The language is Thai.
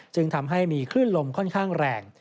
จึงทำให้มีคลื่นลมค่อนข้างแรง